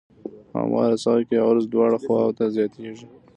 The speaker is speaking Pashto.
په همواره ساحه کې عرض دواړو خواوو ته زیاتیږي